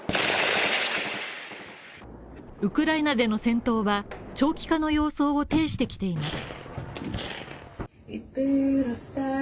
ウクライナでの戦闘は長期化の様相を呈してきています。